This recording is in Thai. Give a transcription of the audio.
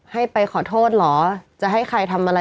นี่ก็หายไปขอโทษหรอ